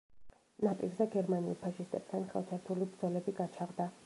ნაპირზე გერმანელ ფაშისტებთან ხელჩართული ბრძოლები გაჩაღდა.